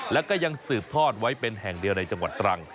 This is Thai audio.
แล้วก็ยังสืบทอดไว้เป็นแห่งเดียวในจังหวัดตรัง